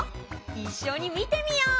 いっしょに見てみよう！